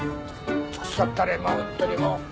くそったれもうホントにもう。